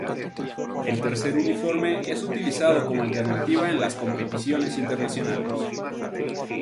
El tercer uniforme es utilizado como alternativa en las competiciones internacionales.